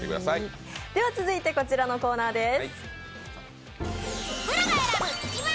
続いてこちらのコーナーです。